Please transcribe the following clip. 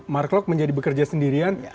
mark klok menjadi bekerja sendirian